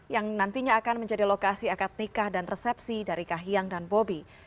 yang nantinya akan menjadi lokasi akad nikah dan resepsi dari kahiyang dan bobi